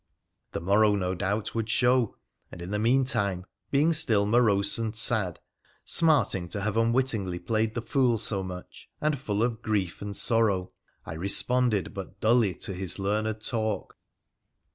The morrow no doubt would show, and in the meantime, being still morose and sad, smarting to have unwittingly played the fool so much, and full of grief and sorrow, I responded but dully to his learned talk.